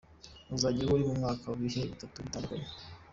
azajya aba buri mwaka mu bihe bitatu bitandukanye.